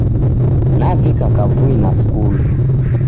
Navika kavui na skulu